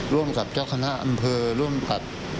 ร่วมกับเจ้าคณะอำเภอร่วมกับ